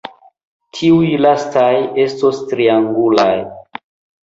Tiuj lastaj estos triangulaj.